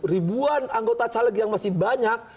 ribuan anggota caleg yang masih banyak